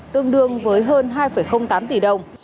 tương đương với hơn hai tám tỷ đồng